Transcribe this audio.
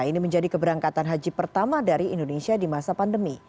ini menjadi keberangkatan haji pertama dari indonesia di masa pandemi